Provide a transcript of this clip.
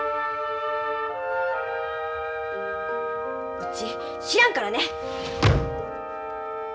うち知らんからね！